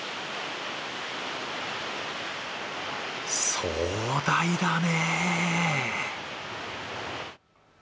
壮大だね。